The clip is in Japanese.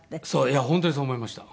いや本当にそう思いました。